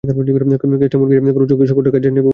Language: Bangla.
কেসটা মোড় ঘুরিয়ে কোনো জঙ্গি সংগঠনের কাজ বলে চালিয়ে দেবো।